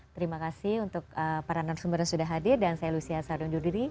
terima kasih untuk para nonton sumber yang sudah hadir dan saya lucia sarwenduduri